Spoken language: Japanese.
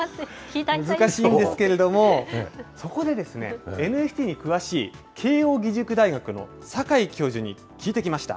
難しいんですけれども、そこでですね、ＮＦＴに詳しい慶應義塾大学の坂井教授に聞いてきました。